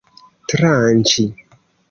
tranĉi